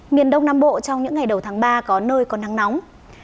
miền đông nam bộ trong những ngày đầu tháng ba có nơi có nắng nóng